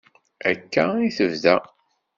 Akka i tebda.